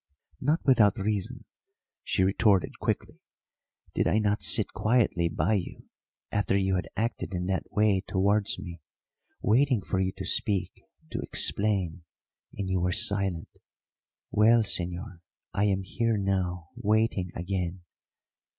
"Not without reason," she retorted quickly. "Did I not sit quietly by you after you had acted in that way towards me, waiting for you to speak to explain, and you were silent? Well, señor, I am here now, waiting again."